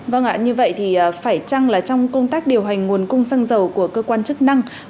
vâng ạ như vậy thì phải chăng là trong công tác điều hành nguồn cung xăng dầu của cơ quan chức năng